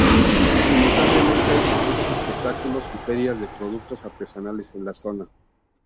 Simultáneamente hay distintos espectáculos y ferias de productos artesanales de la zona.